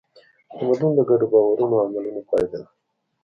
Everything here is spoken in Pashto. تمدن د ګډو باورونو او عملونو پایله ده.